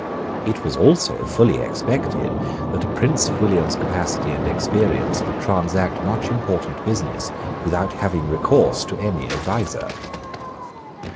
It was also fully expected that a prince of William's capacity and experience would transact much important business without having recourse to any adviser.